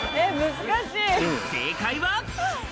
正解は。